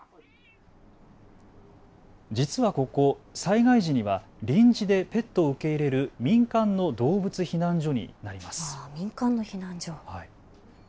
実はここ、災害時には臨時でペットを受け入れる民間の動物避難所になります。